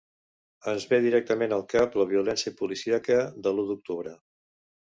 Ens ve directament al cap la violència policíaca de l’u d’octubre.